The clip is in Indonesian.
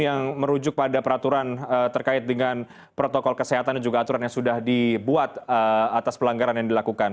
yang merujuk pada peraturan terkait dengan protokol kesehatan dan juga aturan yang sudah dibuat atas pelanggaran yang dilakukan